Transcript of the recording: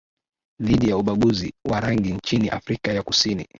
Dhidi ya ubaguzi wa rangi nchini Afrika ya Kusini